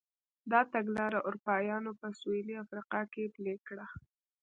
دا تګلاره اروپایانو په سوېلي افریقا کې پلې کړه.